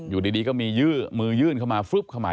อยู่ดีก็มีมือยื่นเข้ามา